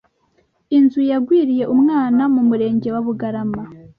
Inzu yagwiriye umwana mu Murenge wa Bugarama